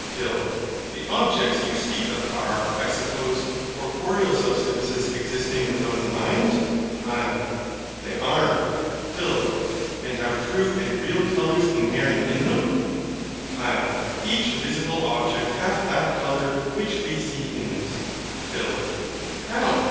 PHIL. The objects you speak of are, I suppose, corporeal Substances existing without the mind? HYL. They are. PHIL. And have true and real colours inhering in them? HYL. Each visible object hath that colour which we see in it. PHIL. How!